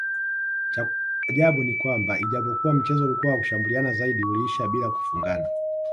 Cha ajabu ni kwamba ijapokua mchezo ulikua wa kushambuliana zaidi uliisha bila kufungana